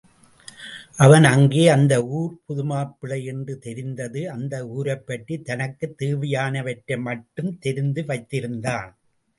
அவன் அங்கே அந்த ஊர்ப் புதுமாப்பிள்ளை என்று தெரிந்தது அந்த ஊரைப்பற்றித் தனக்குத் தேவையானவற்றை மட்டும் தெரிந்து வைத்திருந்தான்.